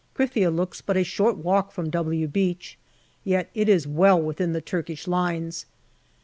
Krithia looks but a short walk from " W " Beach, yet it is well within the Turkish lines.